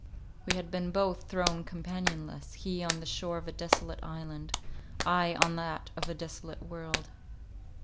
We had been both thrown companionless—he on the shore of a desolate island: I on that of a desolate world.